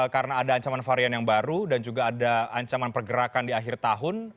karena ada ancaman varian yang baru dan juga ada ancaman pergerakan di akhir tahun